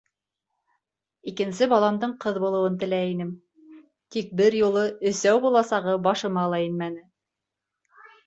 Икенсе баламдың ҡыҙ булыуын теләй инем, тик бер юлы өсәү буласағы башыма ла инмәне.